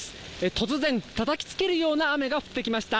突然たたきつけるような雨が降ってきました。